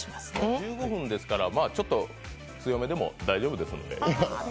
１５分ですから、強めでも大丈夫ですので。